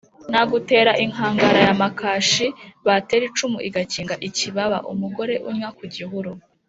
Nagutera inkangara ya Makaci batera icumu igakinga ikibaba-Umugore unnya ku gihuru.